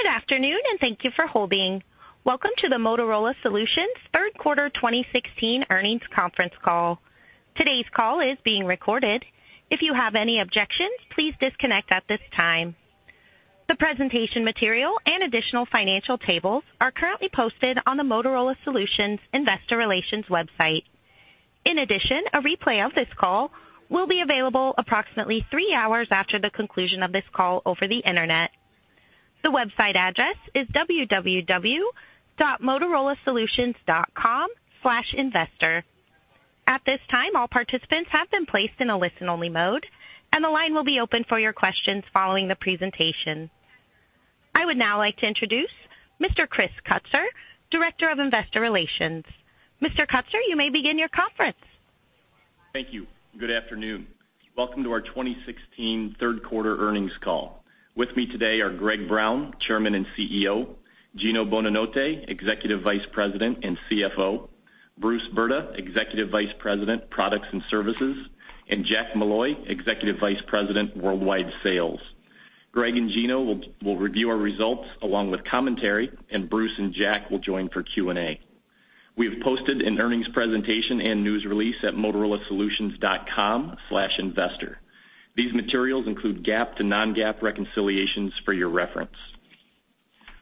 Good afternoon, and thank you for holding. Welcome to the Motorola Solutions third quarter 2016 earnings conference call. Today's call is being recorded. If you have any objections, please disconnect at this time. The presentation material and additional financial tables are currently posted on the Motorola Solutions investor relations website. In addition, a replay of this call will be available approximately three hours after the conclusion of this call over the Internet. The website address is www.motorolasolutions.com/investor. At this time, all participants have been placed in a listen-only mode, and the line will be open for your questions following the presentation. I would now like to introduce Mr. Chris Kutzer, Director of Investor Relations. Mr. Kutzer, you may begin your conference. Thank you. Good afternoon. Welcome to our 2016 third quarter earnings call. With me today are Greg Brown, Chairman and CEO; Gino Bonanotte, Executive Vice President and CFO; Bruce Burda, Executive Vice President, Products and Services; and Jack Molloy, Executive Vice President, Worldwide Sales. Greg and Gino will review our results along with commentary, and Bruce and Jack will join for Q&A. We have posted an earnings presentation and news release at motorolasolutions.com/investor. These materials include GAAP to Non-GAAP reconciliations for your reference.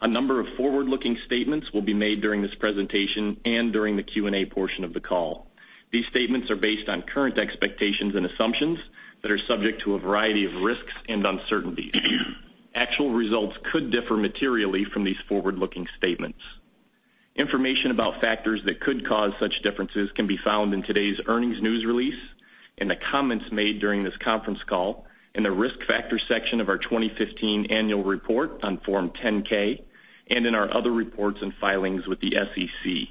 A number of forward-looking statements will be made during this presentation and during the Q&A portion of the call. These statements are based on current expectations and assumptions that are subject to a variety of risks and uncertainties. Actual results could differ materially from these forward-looking statements. Information about factors that could cause such differences can be found in today's earnings news release, in the comments made during this conference call, in the Risk Factors section of our 2015 annual report on Form 10-K, and in our other reports and filings with the SEC.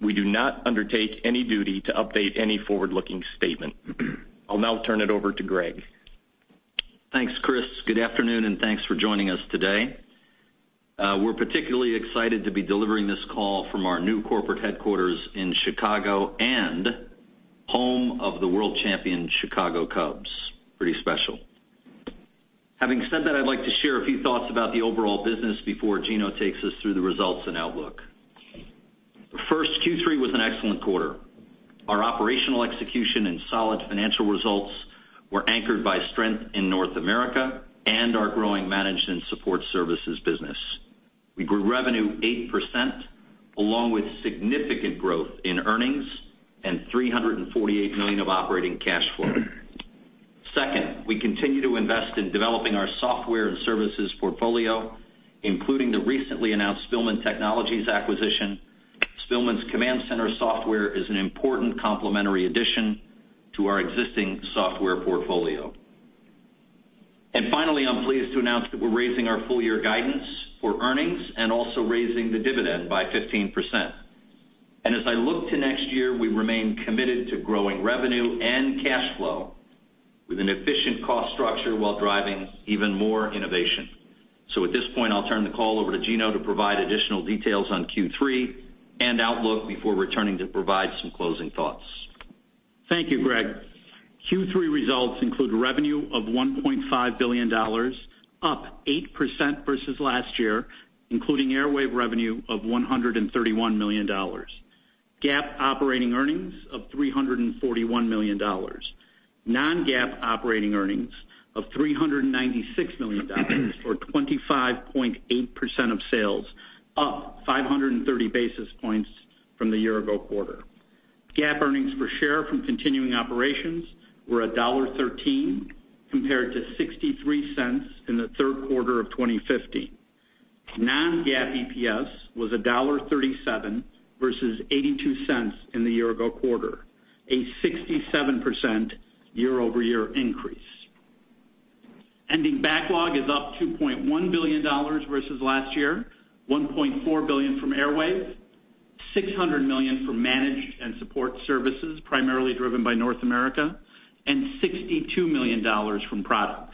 We do not undertake any duty to update any forward-looking statement. I'll now turn it over to Greg. Thanks, Chris. Good afternoon, and thanks for joining us today. We're particularly excited to be delivering this call from our new corporate headquarters in Chicago and home of the world champion Chicago Cubs. Pretty special. Having said that, I'd like to share a few thoughts about the overall business before Gino takes us through the results and outlook. First, Q3 was an excellent quarter. Our operational execution and solid financial results were anchored by strength in North America and our growing managed and support services business. We grew revenue 8%, along with significant growth in earnings and $348 million of operating cash flow. Second, we continue to invest in developing our software and services portfolio, including the recently announced Spillman Technologies acquisition. Spillman's command center software is an important complementary addition to our existing software portfolio. And finally, I'm pleased to announce that we're raising our full year guidance for earnings and also raising the dividend by 15%. As I look to next year, we remain committed to growing revenue and cash flow with an efficient cost structure while driving even more innovation. At this point, I'll turn the call over to Gino to provide additional details on Q3 and outlook before returning to provide some closing thoughts. Thank you, Greg. Q3 results include revenue of $1.5 billion, up 8% versus last year, including Airwave revenue of $131 million. GAAP operating earnings of $341 million. Non-GAAP operating earnings of $396 million, or 25.8% of sales, up 530 basis points from the year ago quarter. GAAP earnings per share from continuing operations were $1.13 compared to 63 cents in the third quarter of 2015. Non-GAAP EPS was $1.37 versus 82 cents in the year-ago quarter, a 67% year-over-year increase. Ending backlog is up $2.1 billion versus last year, $1.4 billion from Airwave, $600 million from managed and support services, primarily driven by North America, and $62 million from products.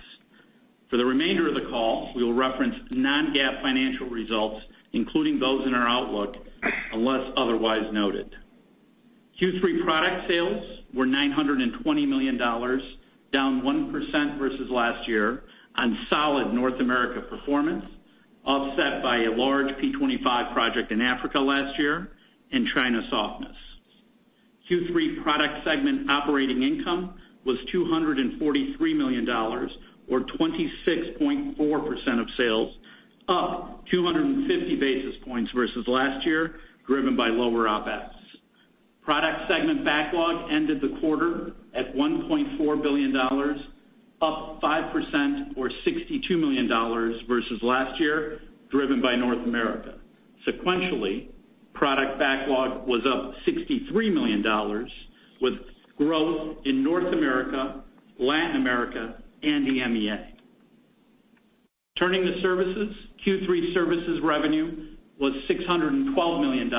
For the remainder of the call, we will reference Non-GAAP financial results, including those in our outlook, unless otherwise noted. Q3 product sales were $920 million, down 1% versus last year on solid North America performance, offset by a large P25 project in Africa last year and China softness. Q3 product segment operating income was $243 million, or 26.4% of sales, up 250 basis points versus last year, driven by lower OpEx. Product segment backlog ended the quarter at $1.4 billion, up 5% or $62 million versus last year, driven by North America. Sequentially, product backlog was up $63 million, with growth in North America, Latin America and the MEA. Turning to services, Q3 services revenue was $612 million,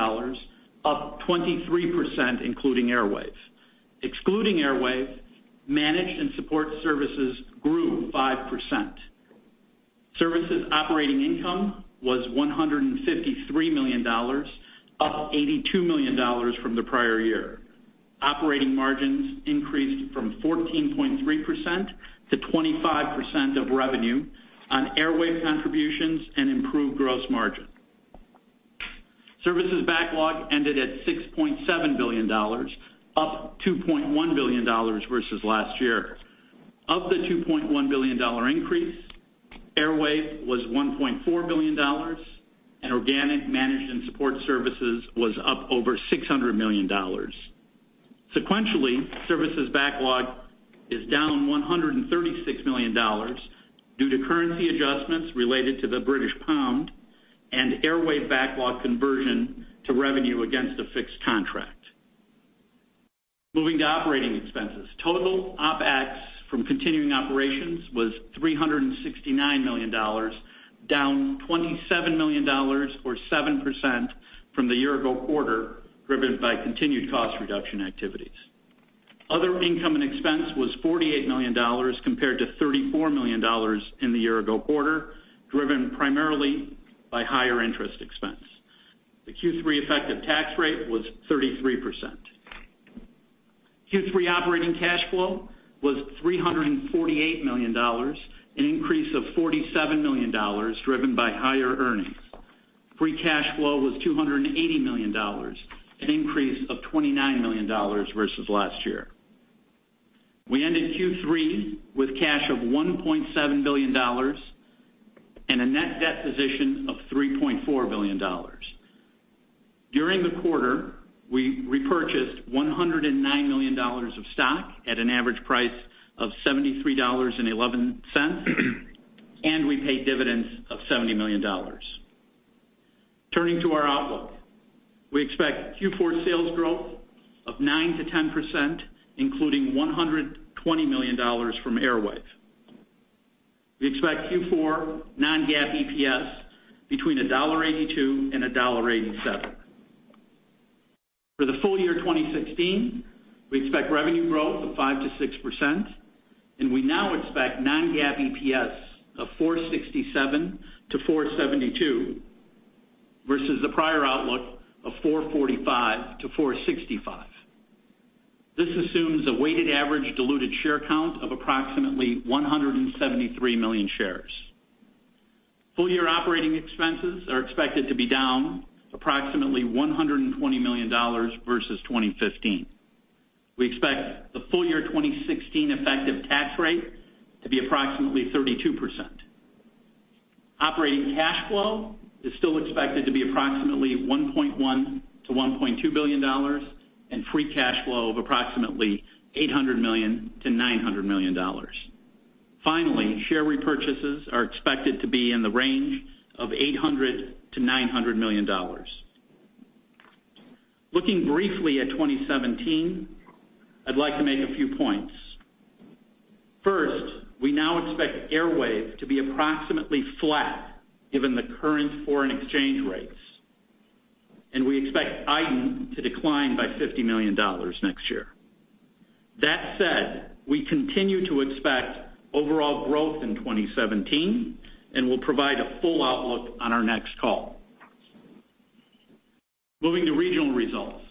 up 23%, including Airwave. Excluding Airwave, managed and support services grew 5%. Services operating income was $153 million, up $82 million from the prior year. Operating margins increased from 14.3%-25% of revenue on Airwave contributions and improved gross margin. Services backlog ended at $6.7 billion, up $2.1 billion versus last year. Of the $2.1 billion increase, Airwave was $1.4 billion, and organic managed and support services was up over $600 million. Sequentially, services backlog is down $136 million due to currency adjustments related to the British pound and Airwave backlog conversion to revenue against a fixed contract. Moving to operating expenses. Total OpEx from continuing operations was $369 million, down $27 million or 7% from the year ago quarter, driven by continued cost reduction activities. Other income and expense was $48 million, compared to $34 million in the year ago quarter, driven primarily by higher interest expense. The Q3 effective tax rate was 33%. Q3 operating cash flow was $348 million, an increase of $47 million, driven by higher earnings. Free cash flow was $280 million, an increase of $29 million versus last year. We ended Q3 with cash of $1.7 billion and a net debt position of $3.4 billion. During the quarter, we repurchased $109 million of stock at an average price of $73.11, and we paid dividends of $70 million. Turning to our outlook. We expect Q4 sales growth of 9%-10%, including $120 million from Airwave. We expect Q4 Non-GAAP EPS between $1.82 and $1.87. For the full year 2016, we expect revenue growth of 5%-6%, and we now expect Non-GAAP EPS of $4.67-$4.72, versus the prior outlook of $4.45-$4.65. This assumes a weighted average diluted share count of approximately 173 million shares. Full year operating expenses are expected to be down approximately $120 million versus 2015. We expect the full year 2016 effective tax rate to be approximately 32%. Operating cash flow is still expected to be approximately $1.1 billion-$1.2 billion, and free cash flow of approximately $800 million-$900 million. Finally, share repurchases are expected to be in the range of $800 million-$900 million. Looking briefly at 2017, I'd like to make a few points. First, we now expect Airwave to be approximately flat given the current foreign exchange rates, and we expect iDEN to decline by $50 million next year. That said, we continue to expect overall growth in 2017, and we'll provide a full outlook on our next call. Moving to regional results.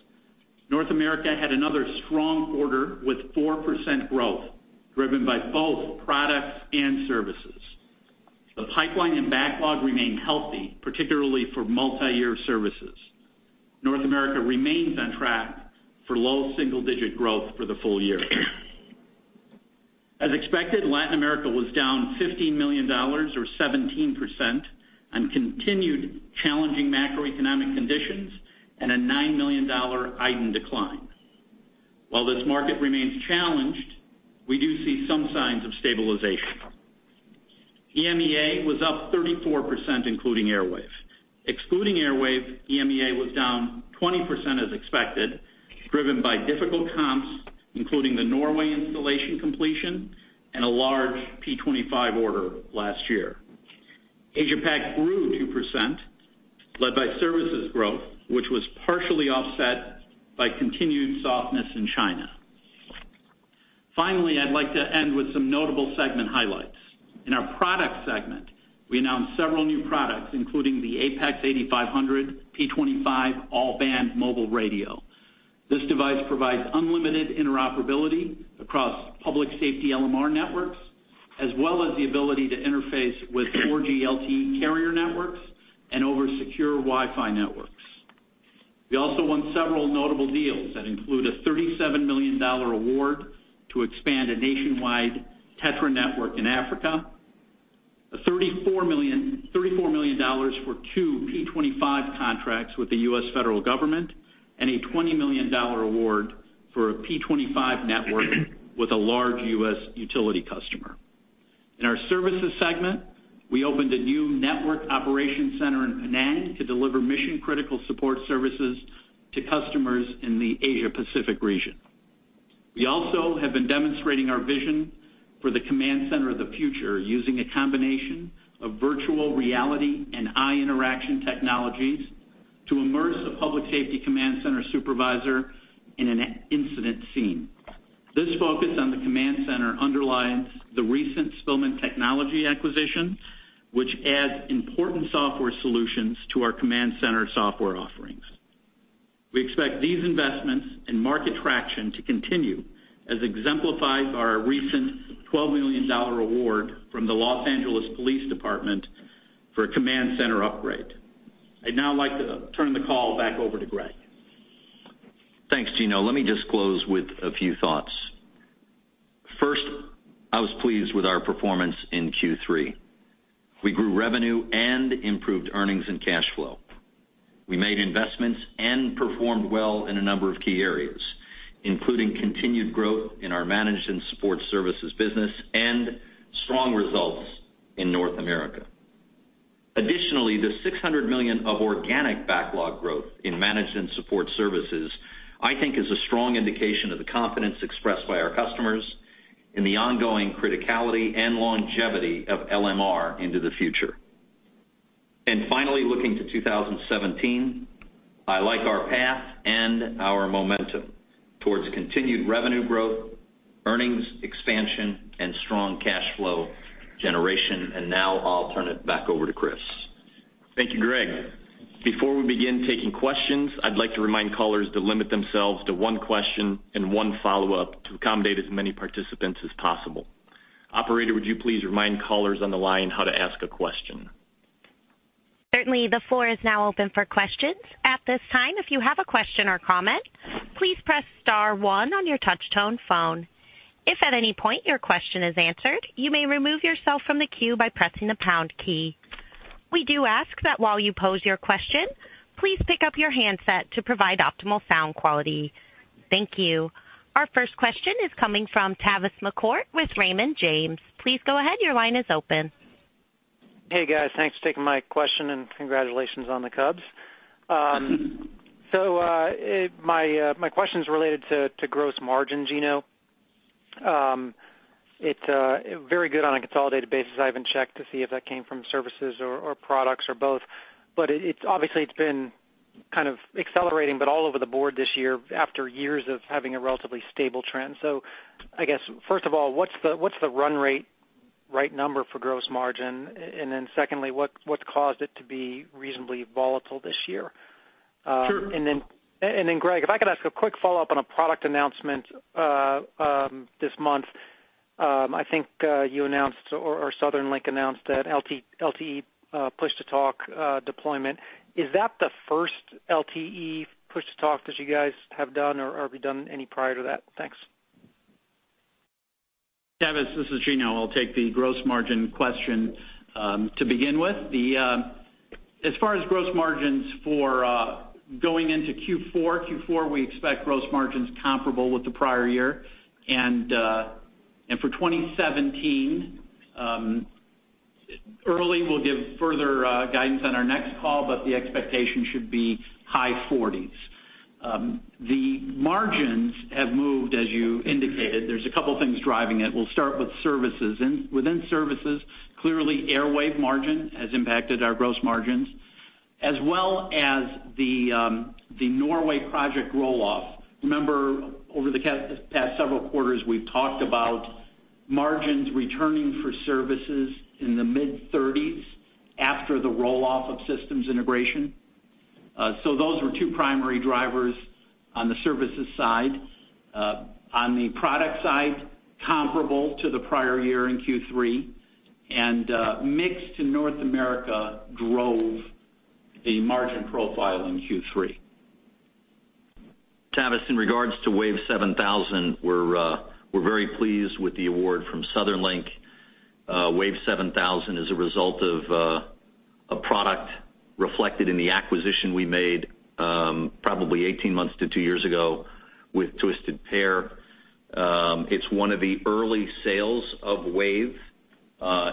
North America had another strong quarter, with 4% growth, driven by both products and services. The pipeline and backlog remain healthy, particularly for multiyear services. North America remains on track for low single-digit growth for the full year. As expected, Latin America was down $15 million or 17% on continued challenging macroeconomic conditions and a $9 million iDEN decline. While this market remains challenged, we do see some signs of stabilization. EMEA was up 34%, including Airwave. Excluding Airwave, EMEA was down 20% as expected, driven by difficult comps, including the Norway installation completion and a large P25 order last year. Asia Pac grew 2%, led by services growth, which was partially offset by continued softness in China. Finally, I'd like to end with some notable segment highlights. In our product segment, we announced several new products, including the APX 8500 P25 all-band mobile radio. This device provides unlimited interoperability across public safety LMR networks, as well as the ability to interface with 4G LTE carrier networks and over secure Wi-Fi networks. We also won several notable deals that include a $37 million award to expand a nationwide TETRA network in Africa, a $34 million, $34 million dollars for two P25 contracts with the U.S. Federal Government, and a $20 million award for a P25 network with a large U.S. utility customer. In our services segment, we opened a new network operation center in Penang to deliver mission-critical support services to customers in the Asia Pacific region. We also have been demonstrating our vision for the command center of the future, using a combination of virtual reality and eye interaction technologies to immerse the public safety command center supervisor in an incident scene. This focus on the command center underlines the recent Spillman Technologies acquisition, which adds important software solutions to our command center software offerings. We expect these investments and market traction to continue, as exemplified by our recent $12 million award from the Los Angeles Police Department for a command center upgrade. I'd now like to turn the call back over to Greg. Thanks, Gino. Let me just close with a few thoughts. First, I was pleased with our performance in Q3. We grew revenue and improved earnings and cash flow. We made investments and performed well in a number of key areas, including continued growth in our managed and support services business and strong results in North America. Additionally, the $600 million of organic backlog growth in managed and support services, I think, is a strong indication of the confidence expressed by our customers in the ongoing criticality and longevity of LMR into the future. And finally, looking to 2017, I like our path and our momentum towards continued revenue growth, earnings expansion, and strong cash flow generation. And now I'll turn it back over to Chris. Thank you, Greg. Before we begin taking questions, I'd like to remind callers to limit themselves to one question and one follow-up, to accommodate as many participants as possible. Operator, would you please remind callers on the line how to ask a question? Certainly. The floor is now open for questions. At this time, if you have a question or comment, please press star one on your touch-tone phone. If at any point your question is answered, you may remove yourself from the queue by pressing the pound key. We do ask that while you pose your question, please pick up your handset to provide optimal sound quality. Thank you. Our first question is coming from Tavis McCourt with Raymond James. Please go ahead. Your line is open. Hey, guys, thanks for taking my question and congratulations on the Cubs. So, my question is related to gross margin, Gino. It's very good on a consolidated basis. I haven't checked to see if that came from services or products or both, but it's obviously been kind of accelerating, but all over the board this year, after years of having a relatively stable trend. So I guess, first of all, what's the run rate right number for gross margin? And then secondly, what caused it to be reasonably volatile this year? Sure. And then, Greg, if I could ask a quick follow-up on a product announcement this month. I think you announced or Southern Linc announced that LTE push-to-talk deployment. Is that the first LTE push-to-talk that you guys have done, or have you done any prior to that? Thanks. Tavis, this is Gino. I'll take the gross margin question. To begin with, as far as gross margins for going into Q4, we expect gross margins comparable with the prior year. And for 2017, we'll give further guidance on our next call, but the expectation should be high 40s. The margins have moved, as you indicated. There's a couple things driving it. We'll start with services. And within services, clearly, Airwave margin has impacted our gross margins, as well as the Norway project roll-off. Remember, over the past several quarters, we've talked about margins returning for services in the mid-30s after the roll-off of systems integration. So those were two primary drivers on the services side. On the product side, comparable to the prior year in Q3, and mix to North America drove the margin profile in Q3. Tavis, in regards to WAVE 7000, we're very pleased with the award from Southern Linc. WAVE 7000 is a result of a product reflected in the acquisition we made, probably 18 months to 2 years ago with Twisted Pair. It's one of the early sales of WAVE.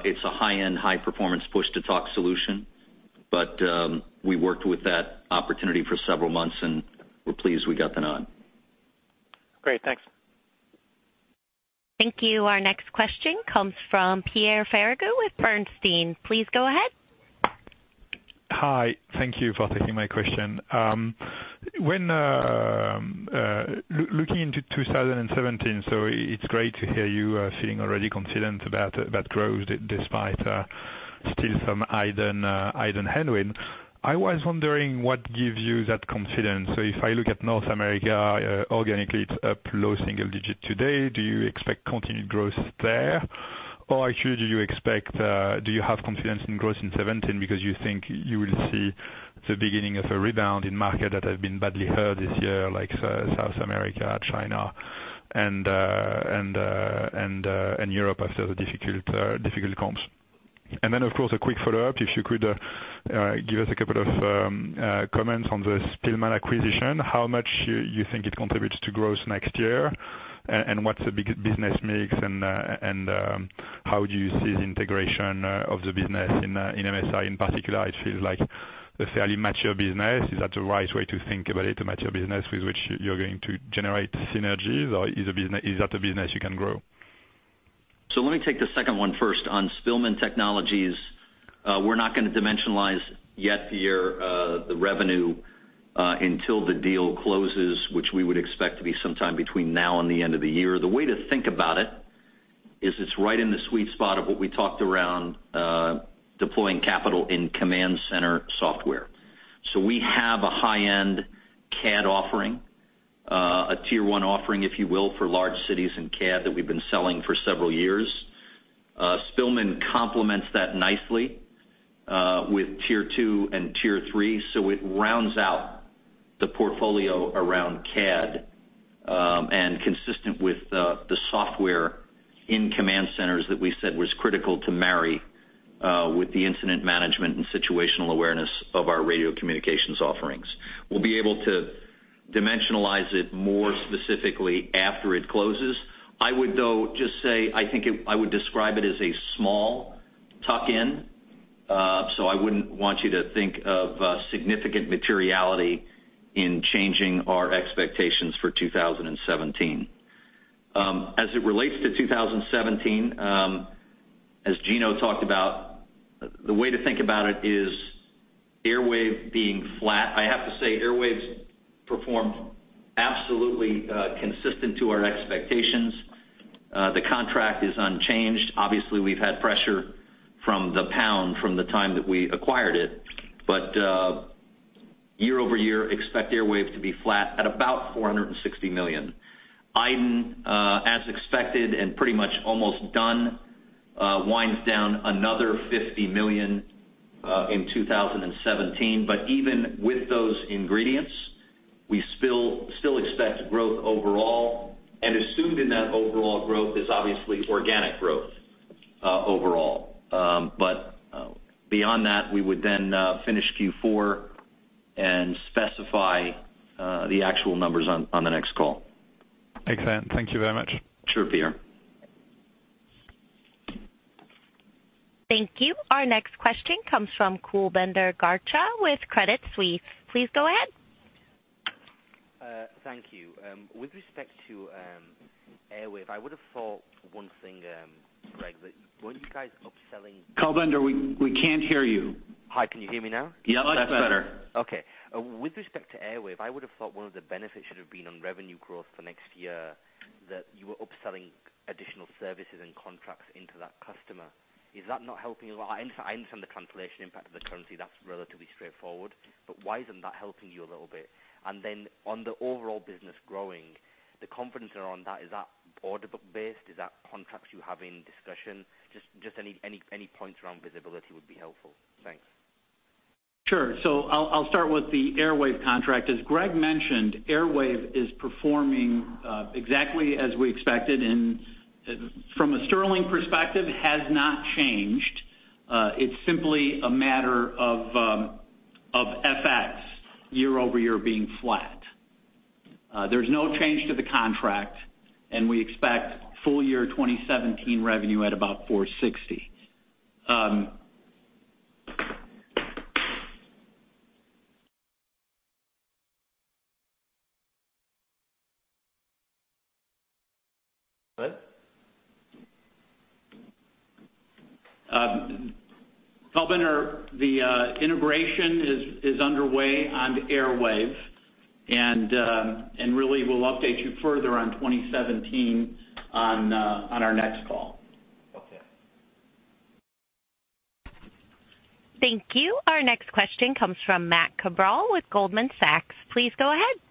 It's a high-end, high-performance push-to-talk solution, but we worked with that opportunity for several months, and we're pleased we got the nod. Great. Thanks. Thank you. Our next question comes from Pierre Ferragu with Bernstein. Please go ahead. Hi, thank you for taking my question. When looking into 2017, so it's great to hear you are feeling already confident about growth, despite still some idle headwind. I was wondering what gives you that confidence? So if I look at North America, organically, it's up low single digit today. Do you expect continued growth there? Or actually, do you have confidence in growth in 2017 because you think you will see the beginning of a rebound in market that have been badly hurt this year, like South America, China, and Europe after the difficult comps? And then, of course, a quick follow-up, if you could give us a couple of comments on the Spillman acquisition. How much you think it contributes to growth next year, and what's the big business mix, and how do you see the integration of the business in MSI in particular? It feels like a fairly mature business. Is that the right way to think about it, a mature business with which you're going to generate synergies, or is that a business you can grow?... So let me take the second one first. On Spillman Technologies, we're not going to dimensionalize yet, Pierre, the revenue, until the deal closes, which we would expect to be sometime between now and the end of the year. The way to think about it is it's right in the sweet spot of what we talked around, deploying capital in command center software. So we have a high-end CAD offering, a Tier One offering, if you will, for large cities in CAD that we've been selling for several years. Spillman complements that nicely, with Tier Two and Tier Three, so it rounds out the portfolio around CAD, and consistent with the software in command centers that we said was critical to marry, with the incident management and situational awareness of our radio communications offerings. We'll be able to dimensionalize it more specifically after it closes. I would, though, just say, I think it- I would describe it as a small tuck in. So I wouldn't want you to think of, significant materiality in changing our expectations for 2017. As it relates to 2017, as Gino talked about, the way to think about it is Airwave being flat. I have to say, Airwave has performed absolutely, consistent to our expectations. The contract is unchanged. Obviously, we've had pressure from the pound from the time that we acquired it, but, year-over-year, expect Airwave to be flat at about $460 million. iDEN, as expected, and pretty much almost done, winds down another $50 million, in 2017. But even with those ingredients, we still expect growth overall, and assumed in that overall growth is obviously organic growth, overall. But beyond that, we would then finish Q4 and specify the actual numbers on the next call. Excellent. Thank you very much. Sure, Pierre. Thank you. Our next question comes from Kulbinder Garcha with Credit Suisse. Please go ahead. Thank you. With respect to Airwave, I would have thought one thing, Greg, that weren't you guys upselling- Kulbinder, we can't hear you. Hi, can you hear me now? Yeah, that's better. Okay. With respect to Airwave, I would have thought one of the benefits should have been on revenue growth for next year, that you were upselling additional services and contracts into that customer. Is that not helping a lot? I understand the translation impact of the currency, that's relatively straightforward, but why isn't that helping you a little bit? And then on the overall business growing, the confidence around that, is that order book-based? Is that contracts you have in discussion? Just any points around visibility would be helpful. Thanks. Sure. So I'll start with the Airwave contract. As Greg mentioned, Airwave is performing exactly as we expected, and from a sterling perspective, has not changed. It's simply a matter of FX, year-over-year being flat. There's no change to the contract, and we expect full year 2017 revenue at about 460 million. Go ahead. Kulbinder, the integration is underway on Airwave, and really, we'll update you further on 2017 on our next call. Okay. Thank you. Our next question comes from Matt Cabral with Goldman Sachs. Please go ahead.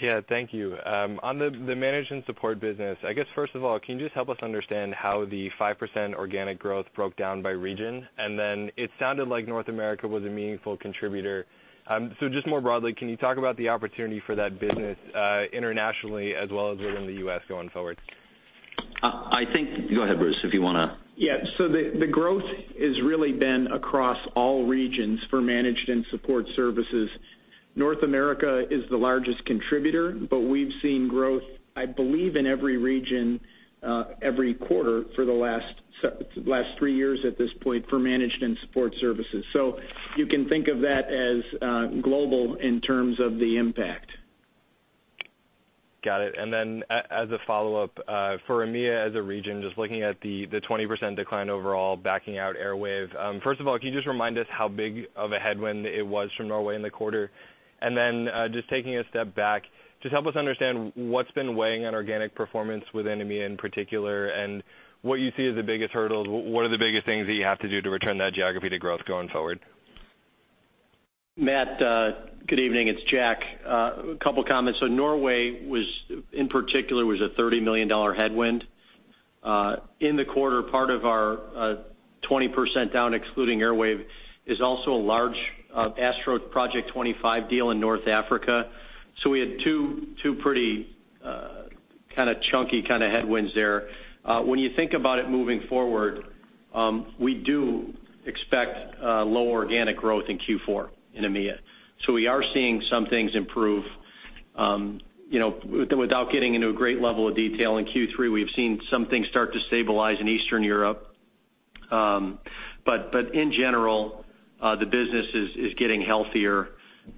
Yeah, thank you. On the management support business, I guess, first of all, can you just help us understand how the 5% organic growth broke down by region? And then it sounded like North America was a meaningful contributor. So just more broadly, can you talk about the opportunity for that business internationally as well as within the U.S. going forward? I think... Go ahead, Bruce, if you want to. Yeah. So the growth has really been across all regions for managed and support services. North America is the largest contributor, but we've seen growth, I believe, in every region every quarter for the last three years at this point, for managed and support services. So you can think of that as global in terms of the impact. Got it. And then as a follow-up, for EMEA as a region, just looking at the 20% decline overall, backing out Airwave. First of all, can you just remind us how big of a headwind it was from Norway in the quarter? And then, just taking a step back, just help us understand what's been weighing on organic performance within EMEA in particular, and what you see as the biggest hurdles. What are the biggest things that you have to do to return that geography to growth going forward? Matt, good evening, it's Jack. A couple of comments. So Norway was, in particular, a $30 million headwind. In the quarter, part of our 20% down, excluding Airwave, is also a large ASTRO Project 25 deal in North Africa. So we had two, two pretty kind of chunky headwinds there. When you think about it moving forward, we do expect lower organic growth in Q4 in EMEA. So we are seeing some things improve. You know, without getting into a great level of detail, in Q3, we've seen some things start to stabilize in Eastern Europe. But in general, the business is getting healthier,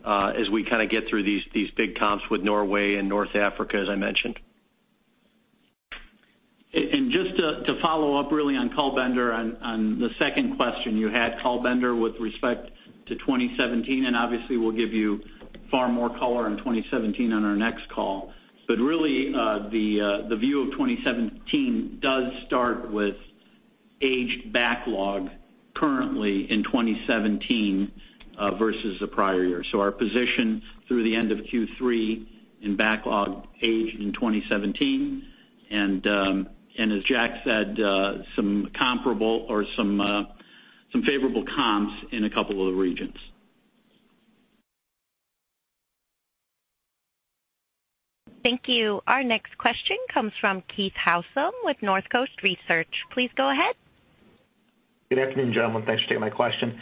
as we kind of get through these big comps with Norway and North Africa, as I mentioned. Just to follow up really on Kulbinder on the second question you had, Kulbinder, with respect to 2017, and obviously, we'll give you far more color on 2017 on our next call. But really, the view of 2017 does start with aged backlog currently in 2017 versus the prior year. So our position through the end of Q3 in backlog, aged in 2017, and as Jack said, some comparable or some favorable comps in a couple of the regions. Thank you. Our next question comes from Keith Housum with Northcoast Research. Please go ahead. Good afternoon, gentlemen. Thanks for taking my question.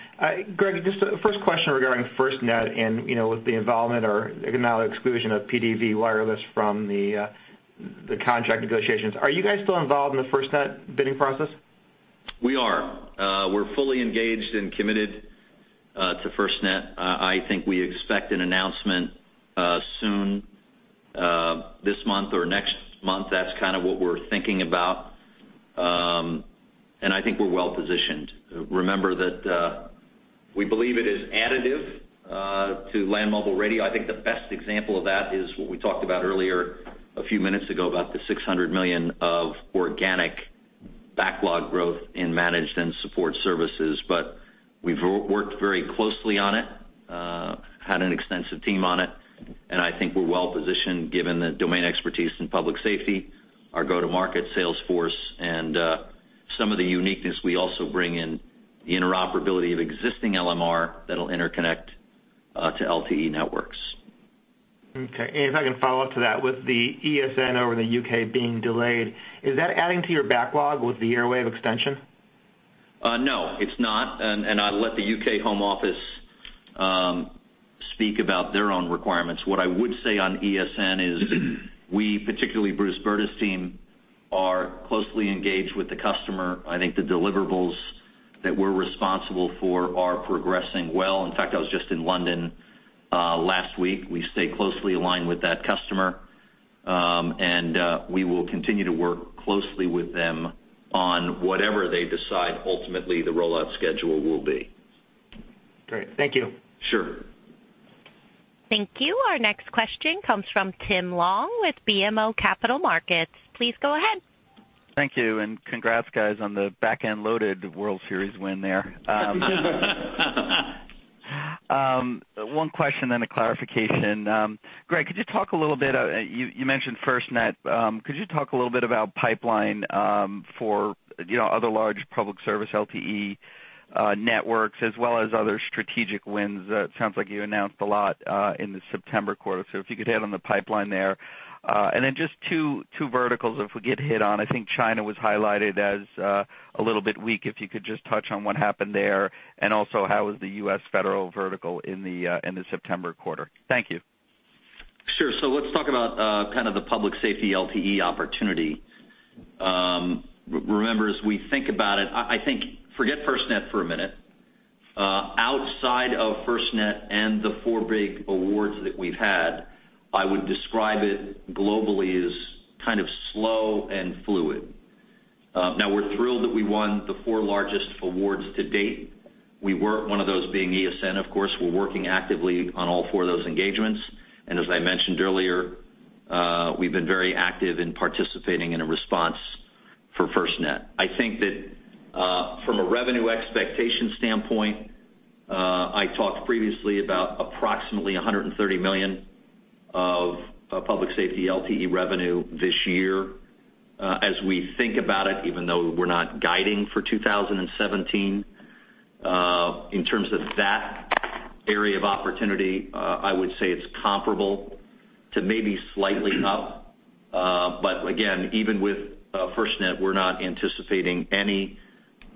Greg, just a first question regarding FirstNet and, you know, with the involvement or now exclusion of PDV Wireless from the contract negotiations, are you guys still involved in the FirstNet bidding process? We are. We're fully engaged and committed to FirstNet. I think we expect an announcement soon, this month or next month. That's kind of what we're thinking about. And I think we're well-positioned. Remember that we believe it is additive to Land Mobile Radio. I think the best example of that is what we talked about earlier, a few minutes ago, about the $600 million of organic backlog growth in managed and support services. But we've worked very closely on it, had an extensive team on it, and I think we're well-positioned, given the domain expertise in public safety, our go-to-market sales force, and some of the uniqueness we also bring in the interoperability of existing LMR that'll interconnect to LTE networks. Okay, and if I can follow up to that, with the ESN over the UK being delayed, is that adding to your backlog with the Airwave extension? No, it's not, and I'll let the UK Home Office speak about their own requirements. What I would say on ESN is, we, particularly Bruce Burda's team, are closely engaged with the customer. I think the deliverables that we're responsible for are progressing well. In fact, I was just in London last week. We stay closely aligned with that customer, and we will continue to work closely with them on whatever they decide, ultimately, the rollout schedule will be. Great. Thank you. Sure. Thank you. Our next question comes from Tim Long with BMO Capital Markets. Please go ahead. Thank you, and congrats, guys, on the back-end-loaded World Series win there. One question, then a clarification. Greg, could you talk a little bit. You mentioned FirstNet. Could you talk a little bit about pipeline for, you know, other large public service LTE networks, as well as other strategic wins? It sounds like you announced a lot in the September quarter, so if you could hit on the pipeline there. And then just two verticals, if we could hit on. I think China was highlighted as a little bit weak, if you could just touch on what happened there, and also, how was the U.S. federal vertical in the September quarter? Thank you. Sure. So let's talk about kind of the public safety LTE opportunity. Remember, as we think about it, I think, forget FirstNet for a minute. Outside of FirstNet and the four big awards that we've had, I would describe it globally as kind of slow and fluid. Now we're thrilled that we won the four largest awards to date, one of those being ESN, of course. We're working actively on all four of those engagements. And as I mentioned earlier, we've been very active in participating in a response for FirstNet. I think that from a revenue expectation standpoint, I talked previously about approximately $130 million of public safety LTE revenue this year. As we think about it, even though we're not guiding for 2017, in terms of that area of opportunity, I would say it's comparable to maybe slightly up. But again, even with FirstNet, we're not anticipating any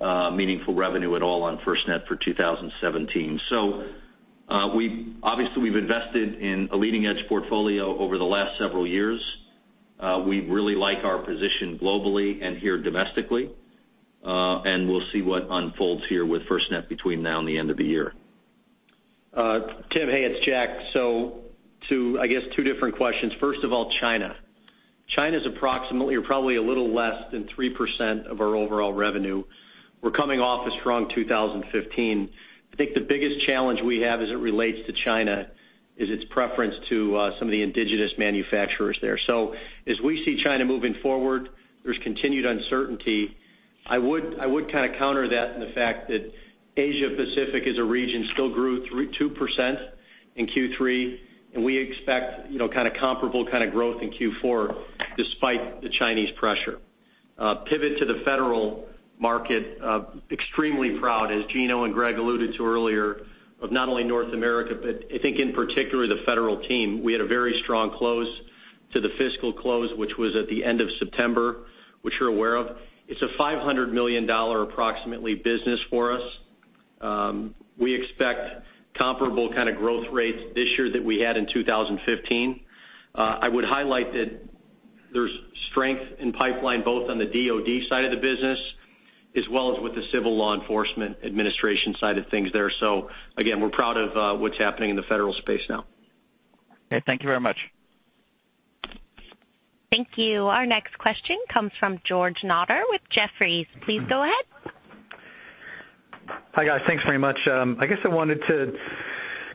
meaningful revenue at all on FirstNet for 2017. So, we've obviously invested in a leading-edge portfolio over the last several years. We really like our position globally and here domestically, and we'll see what unfolds here with FirstNet between now and the end of the year. Tim, hey, it's Jack. So to, I guess, two different questions. First of all, China. China is approximately or probably a little less than 3% of our overall revenue. We're coming off a strong 2015. I think the biggest challenge we have as it relates to China is its preference to some of the indigenous manufacturers there. So as we see China moving forward, there's continued uncertainty. I would kind of counter that in the fact that Asia Pacific, as a region, still grew 2% in Q3, and we expect, you know, kind of comparable kind of growth in Q4, despite the Chinese pressure. Pivot to the federal market, extremely proud, as Gino and Greg alluded to earlier, of not only North America, but I think in particular, the federal team. We had a very strong close to the fiscal close, which was at the end of September, which you're aware of. It's a $500 million, approximately, business for us. We expect comparable kind of growth rates this year that we had in 2015. I would highlight that-... There's strength in pipeline, both on the DoD side of the business, as well as with the civil law enforcement administration side of things there. So again, we're proud of what's happening in the federal space now. Okay, thank you very much. Thank you. Our next question comes from George Notter with Jefferies. Please go ahead. Hi, guys. Thanks very much. I guess I wanted to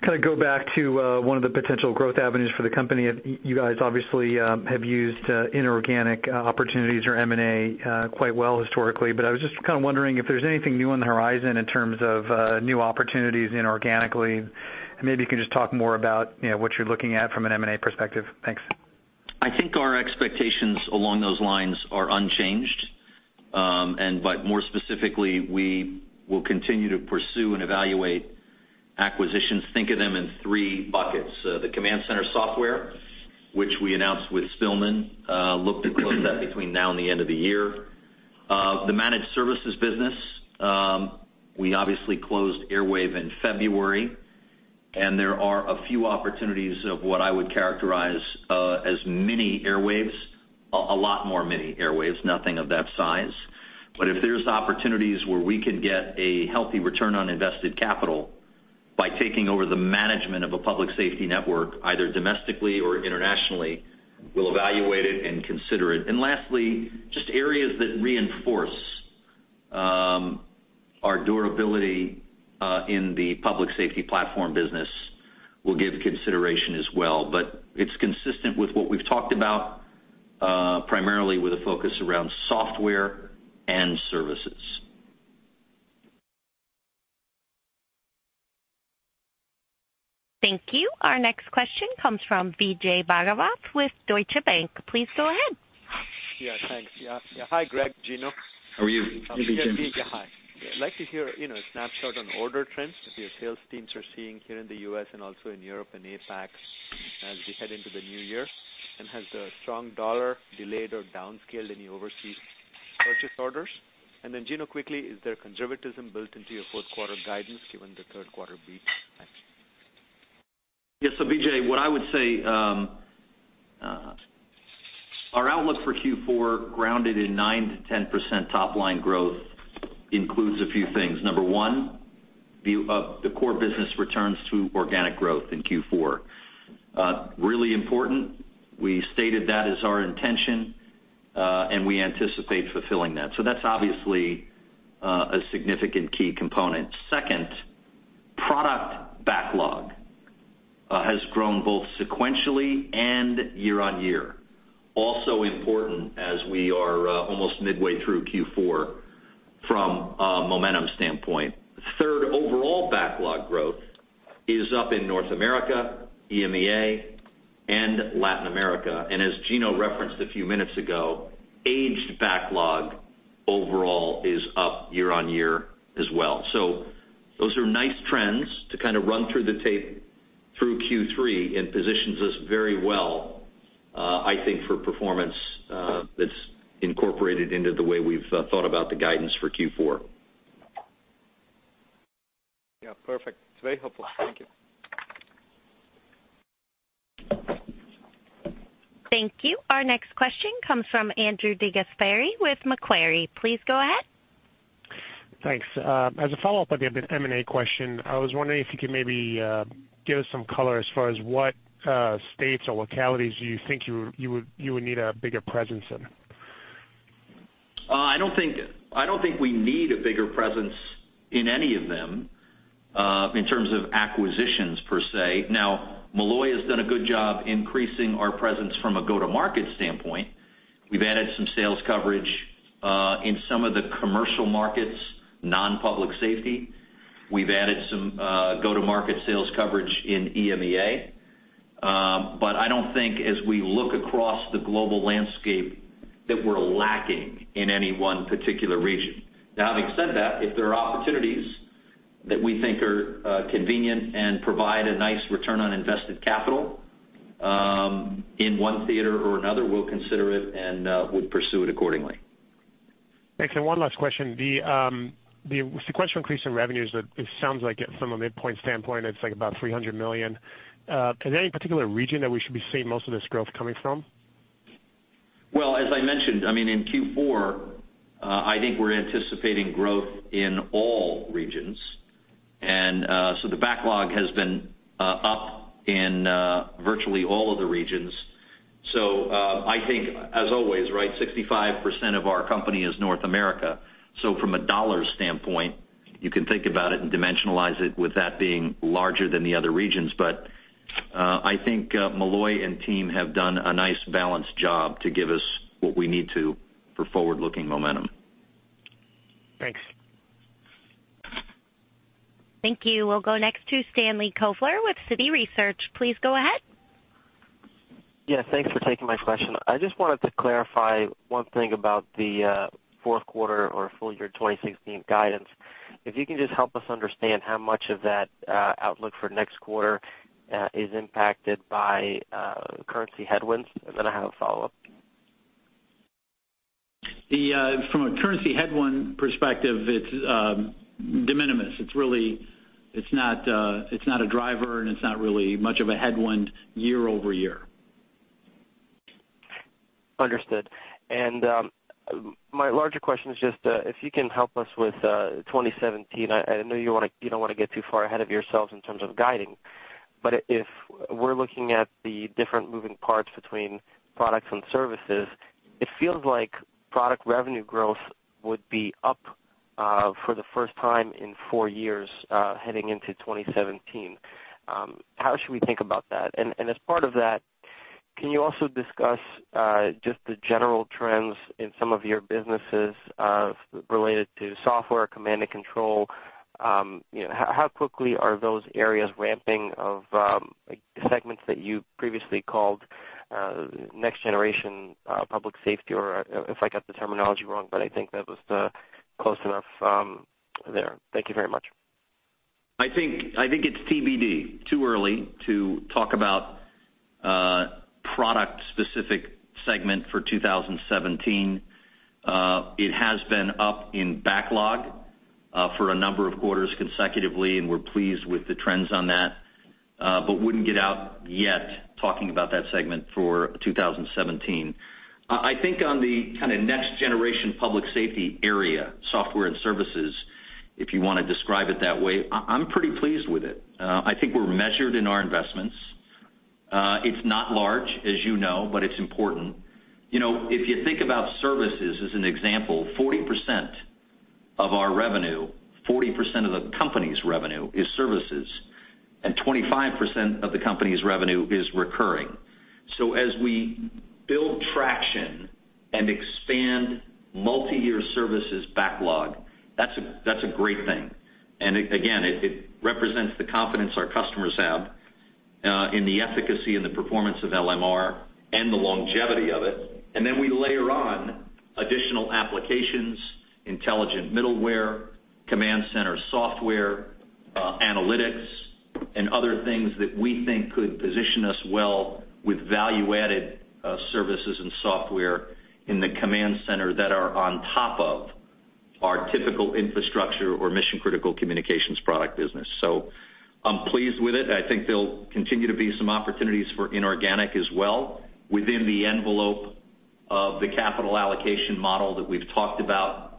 kind of go back to one of the potential growth avenues for the company. You guys obviously have used inorganic opportunities or M&A quite well historically, but I was just kind of wondering if there's anything new on the horizon in terms of new opportunities inorganically. Maybe you can just talk more about, you know, what you're looking at from an M&A perspective. Thanks. I think our expectations along those lines are unchanged, more specifically, we will continue to pursue and evaluate acquisitions. Think of them in three buckets. The command center software, which we announced with Spillman, look to close that between now and the end of the year. The managed services business, we obviously closed Airwave in February, and there are a few opportunities of what I would characterize, as mini Airwaves, a lot more mini Airwaves, nothing of that size. But if there's opportunities where we could get a healthy return on invested capital by taking over the management of a public safety network, either domestically or internationally, we'll evaluate it and consider it. Lastly, just areas that reinforce our durability in the public safety platform business will give consideration as well, but it's consistent with what we've talked about, primarily with a focus around software and services. Thank you. Our next question comes from Vijay Bhagavath with Deutsche Bank. Please go ahead. Yeah, thanks. Yeah. Hi, Greg, Gino. How are you, Vijay? Hi. I'd like to hear, you know, a snapshot on order trends that your sales teams are seeing here in the U.S. and also in Europe and APAC as we head into the new year. Has the strong dollar delayed or downscaled any overseas purchase orders? Then, Gino, quickly, is there conservatism built into your fourth quarter guidance, given the third quarter beat? Thanks. Yes. So, Vijay, what I would say, our outlook for Q4, grounded in 9%-10% top line growth, includes a few things. Number one, the core business returns to organic growth in Q4. Really important, we stated that as our intention, and we anticipate fulfilling that. So that's obviously, a significant key component. Second, product backlog has grown both sequentially and year-on-year. Also important, as we are almost midway through Q4 from a momentum standpoint. Third, overall backlog growth is up in North America, EMEA, and Latin America, and as Gino referenced a few minutes ago, aged backlog overall is up year-on-year as well. So those are nice trends to kind of run through the tape through Q3 and positions us very well, I think, for performance. That's incorporated into the way we've thought about the guidance for Q4. Yeah, perfect. It's very helpful. Thank you. Thank you. Our next question comes from Andrew DeGasperi with Macquarie. Please go ahead. Thanks. As a follow-up on the M&A question, I was wondering if you could maybe give us some color as far as what states or localities you think you would need a bigger presence in. I don't think, I don't think we need a bigger presence in any of them, in terms of acquisitions per se. Now, Molloy has done a good job increasing our presence from a go-to-market standpoint. We've added some sales coverage in some of the commercial markets, non-public safety. We've added some go-to-market sales coverage in EMEA. But I don't think as we look across the global landscape, that we're lacking in any one particular region. Now, having said that, if there are opportunities that we think are convenient and provide a nice return on invested capital, in one theater or another, we'll consider it and we'll pursue it accordingly. Thanks. One last question. So, question on increase in revenues, it sounds like from a midpoint standpoint, it's like about $300 million. Is there any particular region that we should be seeing most of this growth coming from? Well, as I mentioned, I mean, in Q4, I think we're anticipating growth in all regions. The backlog has been up in virtually all of the regions. I think as always, right, 65% of our company is North America. From a dollar standpoint, you can think about it and dimensionalize it with that being larger than the other regions. I think Molloy and team have done a nice balanced job to give us what we need to for forward-looking momentum. Thanks. Thank you. We'll go next to Stanley Kovler with Citi Research. Please go ahead. Yeah, thanks for taking my question. I just wanted to clarify one thing about the fourth quarter or full year 2016 guidance. If you can just help us understand how much of that outlook for next quarter is impacted by currency headwinds, and then I have a follow-up.... The, from a currency headwind perspective, it's de minimis. It's really, it's not, it's not a driver, and it's not really much of a headwind year-over-year. Understood. My larger question is just if you can help us with 2017. I know you wanna, you don't wanna get too far ahead of yourselves in terms of guiding, but if we're looking at the different moving parts between products and services, it feels like product revenue growth would be up for the first time in four years heading into 2017. How should we think about that? As part of that, can you also discuss just the general trends in some of your businesses related to software, command and control? You know, how quickly are those areas ramping of segments that you previously called next generation public safety, or if I got the terminology wrong, but I think that was close enough there. Thank you very much. I think it's TBD. Too early to talk about product-specific segment for 2017. It has been up in backlog for a number of quarters consecutively, and we're pleased with the trends on that, but wouldn't get out yet, talking about that segment for 2017. I think on the kind of next generation public safety area, software and services, if you wanna describe it that way, I'm pretty pleased with it. I think we're measured in our investments. It's not large, as you know, but it's important. You know, if you think about services as an example, 40% of our revenue, 40% of the company's revenue is services, and 25% of the company's revenue is recurring. So as we build traction and expand multiyear services backlog, that's a great thing. Again, it represents the confidence our customers have in the efficacy and the performance of LMR and the longevity of it. And then we layer on additional applications, intelligent middleware, command center software, analytics, and other things that we think could position us well with value-added services and software in the command center that are on top of our typical infrastructure or mission-critical communications product business. So I'm pleased with it. I think there'll continue to be some opportunities for inorganic as well, within the envelope of the capital allocation model that we've talked about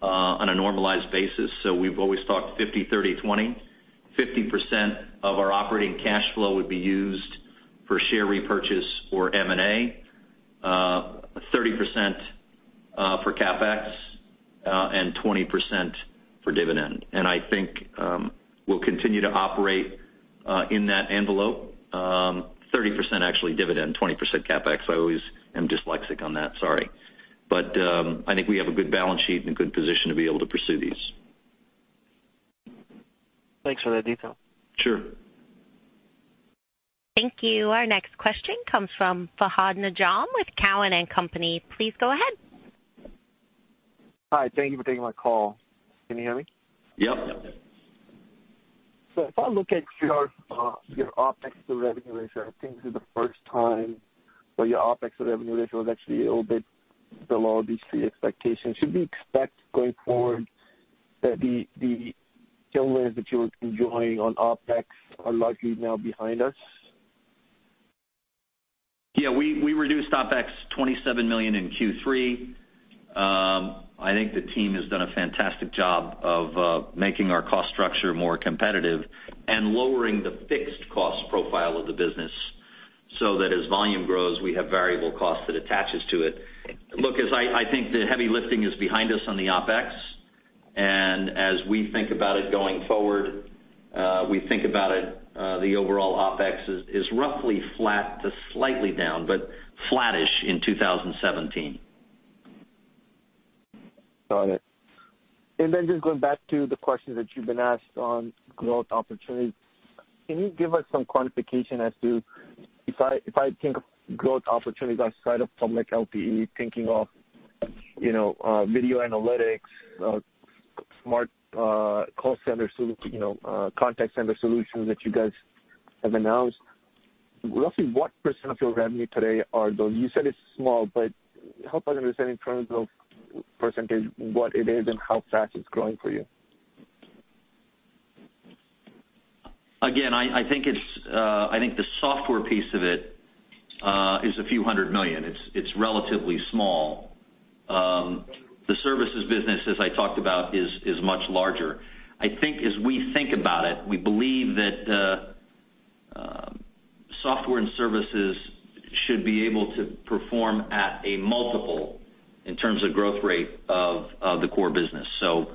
on a normalized basis. So we've always talked 50%, 30%, 20%. 50% of our operating cash flow would be used for share repurchase or M&A, 30% for CapEx, and 20% for dividend. I think we'll continue to operate in that envelope. 30% actually dividend, 20% CapEx. I always am dyslexic on that. Sorry. I think we have a good balance sheet and a good position to be able to pursue these. Thanks for that detail. Sure. Thank you. Our next question comes from Fahad Najam with Cowen and Company. Please go ahead. Hi, thank you for taking my call. Can you hear me? Yep. So if I look at your OpEx revenue ratio, I think this is the first time where your OpEx revenue ratio is actually a little bit below the Street expectations. Should we expect going forward that the tailwinds that you were enjoying on OpEx are largely now behind us? Yeah, we reduced OpEx $27 million in Q3. I think the team has done a fantastic job of making our cost structure more competitive and lowering the fixed cost profile of the business, so that as volume grows, we have variable costs that attaches to it. Look, I think the heavy lifting is behind us on the OpEx, and as we think about it going forward, the overall OpEx is roughly flat to slightly down, but flattish in 2017. Got it. And then just going back to the questions that you've been asked on growth opportunities, can you give us some quantification as to... If I, if I think of growth opportunities outside of public LTE, thinking of, you know, video analytics, smart, call center sol-- you know, contact center solutions that you guys have announced, roughly what % of your revenue today are those? You said it's small, but help us understand in terms of %, what it is and how fast it's growing for you. Again, I think it's the software piece of it is a few hundred million. It's relatively small. The services business, as I talked about, is much larger. I think as we think about it, we believe that software and services should be able to perform at a multiple in terms of growth rate of the core business. So,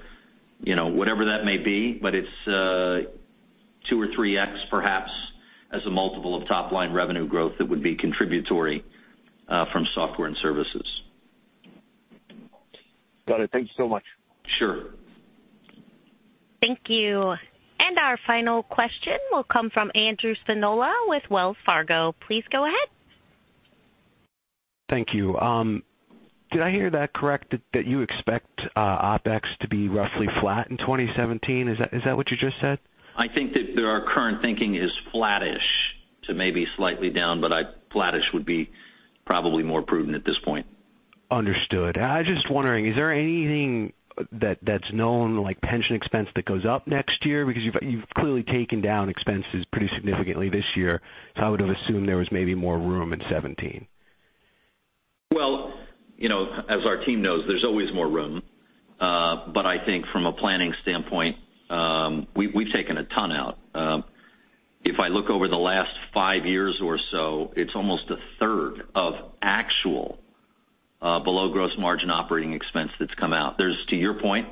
you know, whatever that may be, but it's 2x-3x perhaps as a multiple of top-line revenue growth that would be contributory from software and services. Got it. Thank you so much. Sure. Thank you. Our final question will come from Andrew Spinola with Wells Fargo. Please go ahead. Thank you. Did I hear that correct, that you expect OpEx to be roughly flat in 2017? Is that what you just said? I think that our current thinking is flattish. So maybe slightly down, but flattish would be probably more prudent at this point. Understood. I was just wondering, is there anything that, that's known, like pension expense that goes up next year? Because you've, you've clearly taken down expenses pretty significantly this year, so I would have assumed there was maybe more room in 2017. Well, you know, as our team knows, there's always more room. But I think from a planning standpoint, we've taken a ton out. If I look over the last five years or so, it's almost a third of actual below gross margin operating expense that's come out. There's to your point,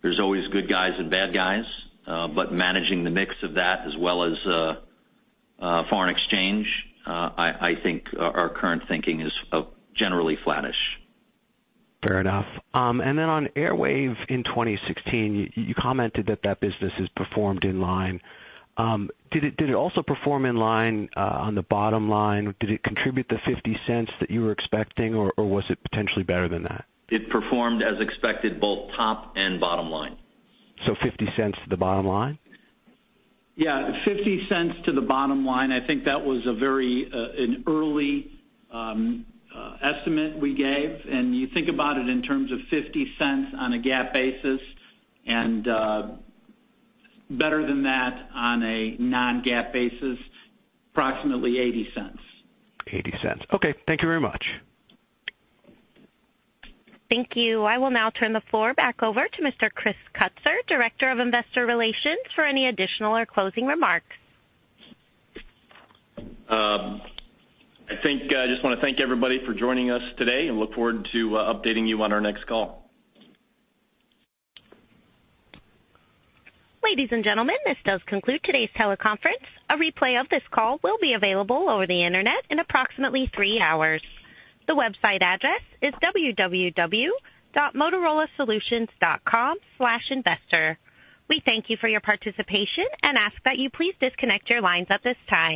there's always good guys and bad guys, but managing the mix of that as well as foreign exchange, I think our current thinking is of generally flattish. Fair enough. And then on Airwave in 2016, you, you commented that that business has performed in line. Did it, did it also perform in line, on the bottom line? Did it contribute the $0.50 that you were expecting, or, or was it potentially better than that? It performed as expected, both top and bottom line. $0.50 to the bottom line? Yeah, $0.50 to the bottom line. I think that was an early estimate we gave, and you think about it in terms of $0.50 on a GAAP basis, and better than that on a Non-GAAP basis, approximately $0.80. $0.80. Okay, thank you very much. Thank you. I will now turn the floor back over to Mr. Chris Kutzer, Director of Investor Relations, for any additional or closing remarks. I think I just want to thank everybody for joining us today, and look forward to updating you on our next call. Ladies and gentlemen, this does conclude today's teleconference. A replay of this call will be available over the Internet in approximately 3 hours. The website address is www.motorolasolutions.com/investor. We thank you for your participation and ask that you please disconnect your lines at this time.